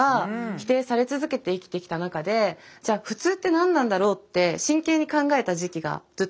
否定され続けて生きてきたなかでじゃあ普通って何なんだろうって真剣に考えた時期がずっとあったんですね